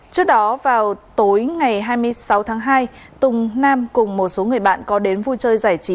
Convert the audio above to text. trước đó vào tối ngày hai mươi sáu tháng hai tùng nam cùng một số người bạn có đến vui chơi giải trí